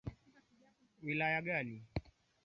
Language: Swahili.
kuhusu mambo yaliyotendeka mwaka wa elfu mbili na saba